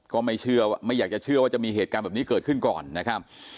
ก็ไม่เชื่อไม่อยากจะเชื่อว่าจะมีเหตุการณ์แบบนี้เกิดขึ้นก่อนนะครับ